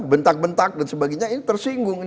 bentak bentak dan sebagainya ini tersinggung